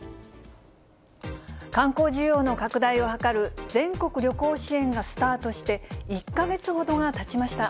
観光需要の拡大を図る全国旅行支援がスタートして１か月ほどがたちました。